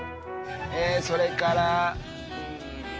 えそれからん。